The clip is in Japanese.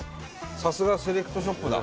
さすがセレクトショップだ。